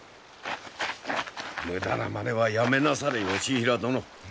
無駄なまねはやめなされ義平殿。